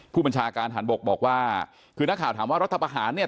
ผู้บัญชาการฐานบกบอกว่าคือนักข่าวถามว่ารัฐประหารเนี่ย